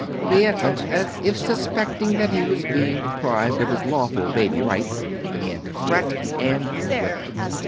The infant, as if suspecting that he was being deprived of his lawful baby rights, began to fret and whimper.